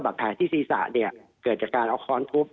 แผลที่ศีรษะเนี่ยเกิดจากการเอาค้อนทุบ